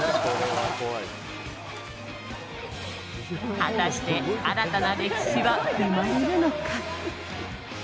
果たして新たな歴史は生まれるのか。